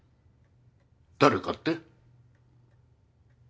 誰かって？